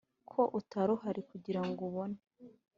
ko utari uhari kugirango ubone